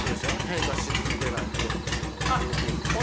変化し続けないようにするルーティーンみたいなね。